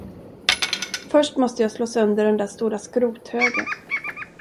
Först måste jag slå sönder den där stora skrothögen!